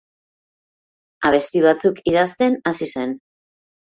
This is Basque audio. Abesti batzuk idazten hasi zen.